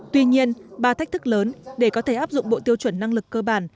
tuy nhiên ba thách thức lớn để có thể áp dụng bộ tiêu chuẩn năng lực cơ bản